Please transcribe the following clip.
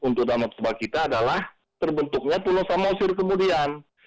untuk danau toba kita adalah terbentuknya pulau samosir kemudian